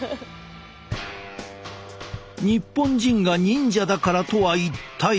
日本人が忍者だからとは一体？